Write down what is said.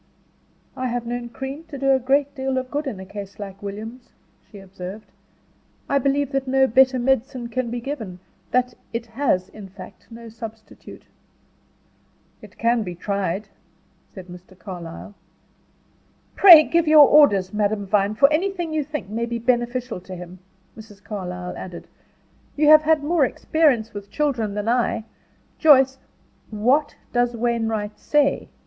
"I have known cream to do a great deal of good in a case like William's," she observed. "I believe that no better medicine can be given; that it has in fact no substitute." "It can be tried," said Mr. Carlyle. "Pray give your orders, Madame Vine, for anything you think may be beneficial to him," Mrs. Carlyle added. "You have had more experience with children than I. Joyce " "What does Wainwright say?"